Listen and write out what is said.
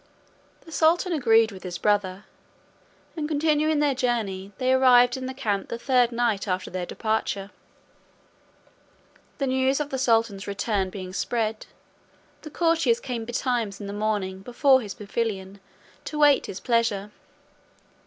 The sultan agreed with his brother; and continuing their journey, they arrived in the camp the third night after their departure. The news of the sultan's return being spread, the courtiers came betimes in the morning before his pavilion to wait his pleasure.